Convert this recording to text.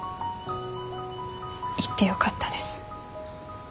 行ってよかったです。